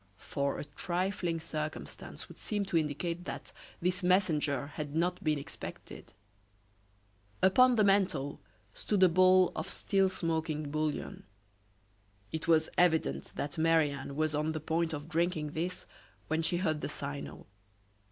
For a trifling circumstance would seem to indicate that this messenger had not been expected. Upon the mantel stood a bowl of still smoking bouillon. It was evident that Marie Anne was on the point of drinking this when she heard the signal.